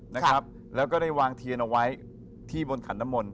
นะครับแล้วก็ได้วางเทียนเอาไว้ที่บนขันน้ำมนต